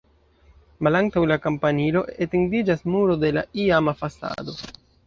Malantaŭ la kampanilo etendiĝas muro de la iama fasado.